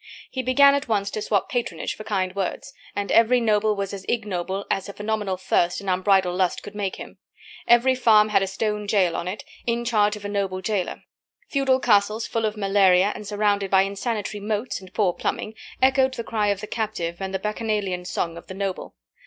He began at once to swap patronage for kind words, and every noble was as ignoble as a phenomenal thirst and unbridled lust could make him. Every farm had a stone jail on it, in charge of a noble jailer. Feudal castles, full of malaria and surrounded by insanitary moats and poor plumbing, echoed the cry of the captive and the bacchanalian song of the noble.